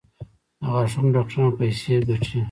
د غاښونو ډاکټران پیسې ګټي؟